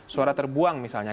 suara terbuang misalnya